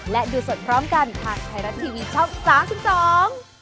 และดูสดพร้อมกันทางไทยรัฐทีวีช่อง๓๒